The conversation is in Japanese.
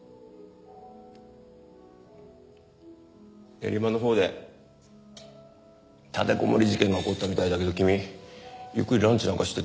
練馬のほうで立てこもり事件が起こったみたいだけど君ゆっくりランチなんかしてていいのかい？